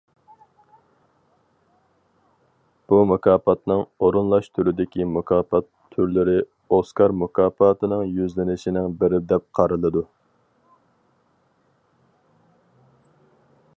بۇ مۇكاپاتنىڭ ئورۇنلاش تۈرىدىكى مۇكاپات تۈرلىرى ئوسكار مۇكاپاتىنىڭ يۈزلىنىشىنىڭ بىرى دەپ قارىلىدۇ.